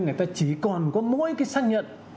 người ta chỉ còn có mỗi cái xác nhận